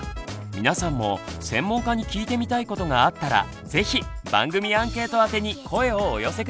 皆さんも専門家に聞いてみたいことがあったら是非番組アンケート宛てに声をお寄せ下さい。